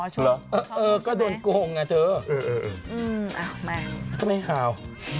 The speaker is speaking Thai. อ๋อช่วงเออก็โดนโกหงไงเธอเออเอามาก็ไม่ข่าว